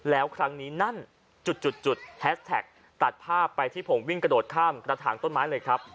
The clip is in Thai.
แล้วครั้งนี้นั่นจุดแฮสแท็กตัดภาพไปที่ผมวิ่งกระโดดข้ามกระถางต้นไม้เลยครับ